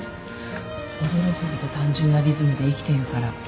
驚くほど単純なリズムで生きているから